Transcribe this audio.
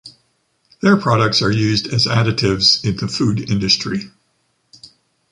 Their products are used as additives in the food industry.